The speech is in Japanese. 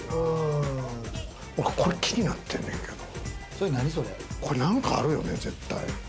これ、気になってんねんけれども、何かあるよね、絶対。